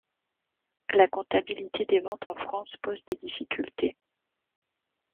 La comptabilité des ventes en France pose des difficultés.